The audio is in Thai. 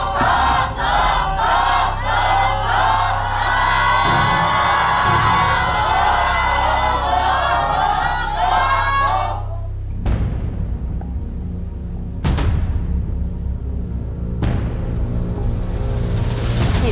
เป็นอะไรนะเป็นอะไร